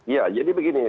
ya jadi begini